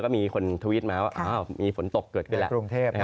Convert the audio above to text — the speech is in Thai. ก็มีคนทวิตมาว่ามีฝนตกเกิดขึ้นแล้ว